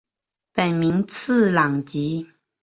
本名次郎吉。